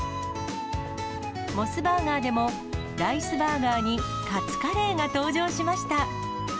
モスバーガーでも、ライスバーガーにカツカレーが登場しました。